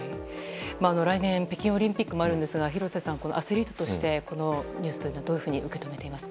来年北京オリンピックもあるんですが廣瀬さん、アスリートとしてこのニュースはどういうふうに受け止めていますか？